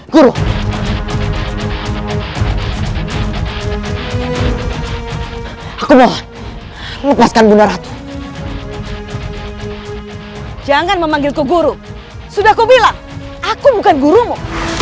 guru aku mau lepaskan bunuh ratu jangan memanggil ke guru sudah aku bilang aku bukan gurumu